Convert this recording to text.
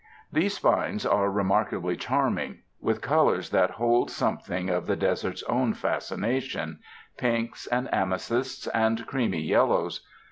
These spines are remarkably charming, with colors that hold something of the desert's own fascination — pinks and amethysts and creamy yellows.